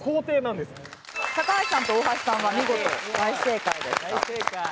高橋さんと大橋さんは見事大正解でした。